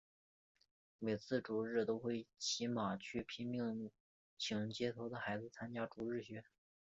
每次主日都会骑马出去拼命请街头的孩子参加主日学。